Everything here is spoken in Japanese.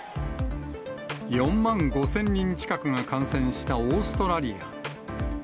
４万５０００人近くが感染したオーストラリア。